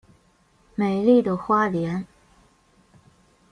美丽的花莲